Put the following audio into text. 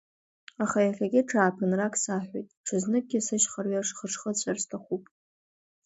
Аха иахьагьы ҽааԥынрак саҳәоит, ҽазныкгьы сышьха рҩаш хышхыҵәар сҭахуп.